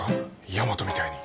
大和みたいに。